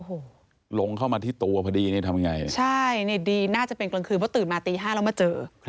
โอ้โหลงเข้ามาที่ตัวพอดีนี่ทำไงใช่นี่ดีน่าจะเป็นกลางคืนเพราะตื่นมาตี๕แล้วมาเจอ